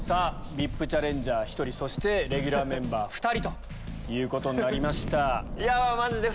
ＶＩＰチャレンジャー１人レギュラーメンバー２人ということになりました。